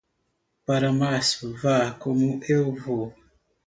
Para março, vá como eu vou.